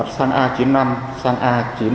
xăng a chín mươi năm xăng a chín mươi hai